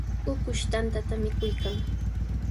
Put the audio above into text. Ukush tantata mikuykan.